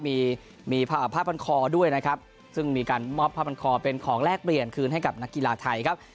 มีมีผ้าพันคอด้วยนะครับซึ่งมีการมอบผ้าพันคอเป็นของแลกเปลี่ยนคืนให้กับนักกีฬาไทยครับ